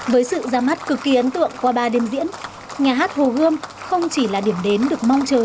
với sự ra mắt cực kỳ ấn tượng qua ba đêm diễn nhà hát hồ gươm không chỉ là điểm đến được mong chờ